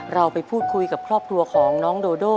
เราไปพูดคุยกับครอบครัวของน้องโดโด